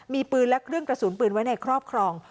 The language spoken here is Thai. มีปืนและเครื่องกระสุนปืนไว้ในครอบครอง